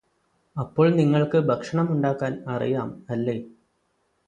അപ്പോൾ നിങ്ങൾക്ക് ഭക്ഷണമുണ്ടാക്കാൻ അറിയാം അല്ലേ